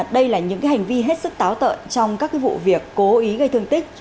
đây là những hành vi hết sức táo tợn trong các vụ việc cố ý gây thương tích